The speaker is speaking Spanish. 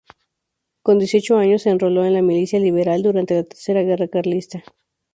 Con dieciocho años se enroló en la milicia liberal durante la Tercera Guerra Carlista.